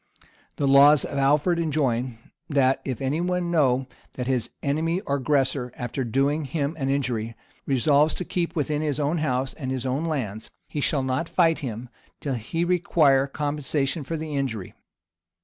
The laws of Alfred enjoin, that if any one know that his enemy or aggressor, after doing him an injury, resolves to keep within his own house _and his own lands_[*] he shall not fight him, till he require compensation for the injury.